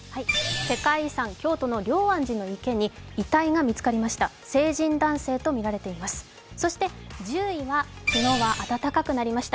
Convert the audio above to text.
世界遺産京都の龍安寺の池に遺体が見つかりました。